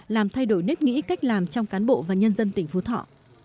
làm thay đổi nếp nghĩ cách làm trong cán bộ và nhân dân tỉnh phú thọ